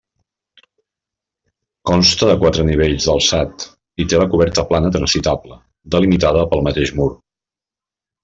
Consta de quatre nivells d'alçat i té la coberta plana transitable, delimitada pel mateix mur.